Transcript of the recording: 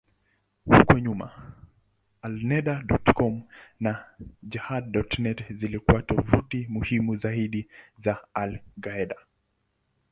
Huko nyuma, Alneda.com na Jehad.net zilikuwa tovuti muhimu zaidi za al-Qaeda.